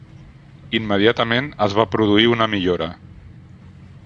Immediatament es va produir una millora.